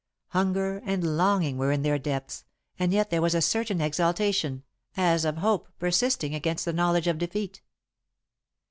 Hunger and longing were in their depths, and yet there was a certain exaltation, as of hope persisting against the knowledge of defeat.